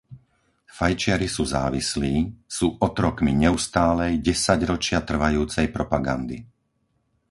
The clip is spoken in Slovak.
Fajčiari sú závislí, sú otrokmi neustálej, desaťročia trvajúcej propagandy.